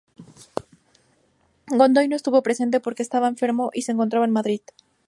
Godoy no estuvo presente porque estaba enfermo y se encontraba en Madrid.